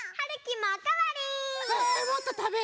もっとたべる？